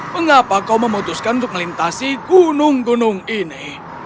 mengapa kau memutuskan untuk melintasi gunung gunung ini